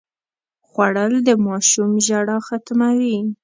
خوړل د ماشوم ژړا ختموي